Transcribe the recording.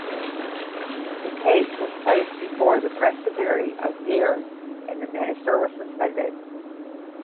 The case was placed before the Presbytery of Ayr and the minister was suspended.